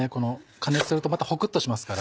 加熱するとまたホクっとしますから。